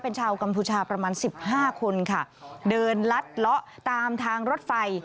เป็นชาวกัมพูชาประมาณสิบห้าคนค่ะเดินลัดเลาะตามทางรถไฟ